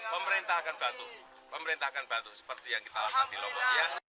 pemerintah akan bantu seperti yang kita lakukan di lombok